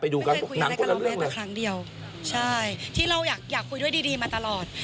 ไม่เคยคุยอะไรกับเราแม้แต่ครั้งเดียวใช่ที่เราอยากคุยด้วยดีดีมาตลอด